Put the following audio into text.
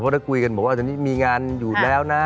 เพราะคุยกันแบบบอกว่ามีงานอยู่แล้วนะ